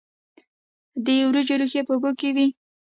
د وریجو ریښې په اوبو کې وي.